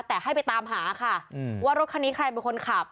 แต่ให้ไปตามหาค่ะว่ารถคันนี้ใครเป็นคนขับ